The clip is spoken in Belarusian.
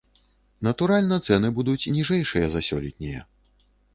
Натуральна, цэны будуць ніжэйшыя за сёлетнія.